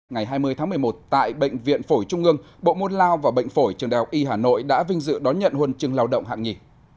ngày hai mươi tháng một mươi một tại bệnh viện phổi trung ương bộ môn lao và bệnh phổi trường đại học y hà nội đã vinh dự đón nhận huân chương lao động hạng nhì